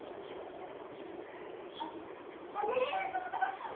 ああぁいやいやちょっとちょっと！